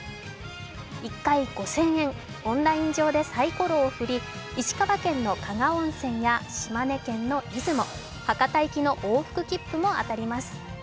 １回５０００円、オンライン上でサイコロを振り、石川県の加賀温泉や島根県の出雲、博多行きの往復切符も当たります。